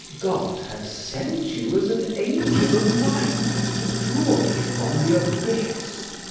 God has sent you as an angel of light to draw me from the abyss.